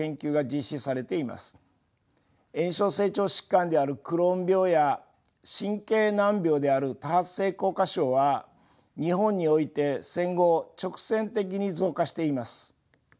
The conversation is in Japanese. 炎症性腸疾患であるクローン病や神経難病である多発性硬化症は日本において戦後直線的に増加しています。